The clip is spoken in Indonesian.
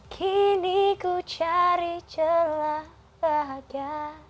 kini ku cari celah pada